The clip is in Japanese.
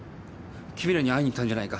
君らに会いに来たんじゃないか。